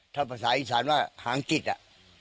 ถ้าภาษาอีสานว่าหางกิจอ่ะ